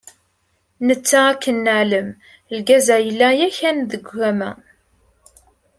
Netta akken neεlem, lgaz-a, yella yakan deg ugama.